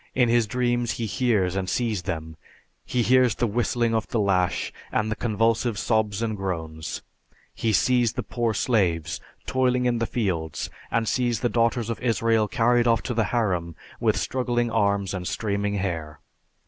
In his dreams he hears and sees them. He hears the whistling of the lash and the convulsive sobs and groans. He sees the poor slaves toiling in the fields and sees the daughters of Israel carried off to the harem with struggling arms and streaming hair.